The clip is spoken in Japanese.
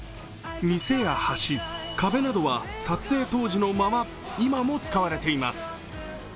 店や橋、壁などは撮影当時のまま今も使われています。